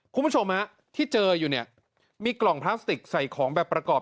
คุณผู้ชมฮะที่เจออยู่เนี่ยมีกล่องพลาสติกใส่ของแบบประกอบ